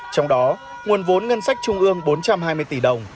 trong đó nguồn vốn ngân sách trung ương bốn trăm hai mươi tỷ đồng